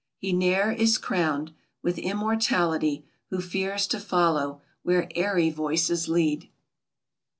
"He ne'er is crowned With immortality, who fears to follow Where airy voices lead."